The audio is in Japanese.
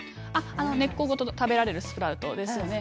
根っこごと食べられるスプラウトですよね。